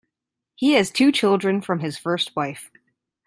He has two children from his first wife.